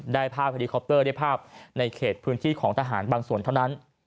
ภาพเฮลิคอปเตอร์ได้ภาพในเขตพื้นที่ของทหารบางส่วนเท่านั้น